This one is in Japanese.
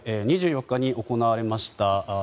２４日に行われました